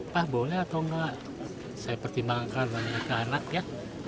pak boleh atau enggak saya pertimbangkan sama ke anak ya